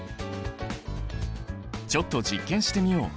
ちょっと実験してみよう！